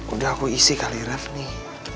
udah aku isi kali ref nih